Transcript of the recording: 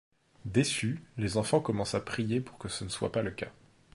Déçus, les enfants commencent à prier pour que ce ne soit pas le cas.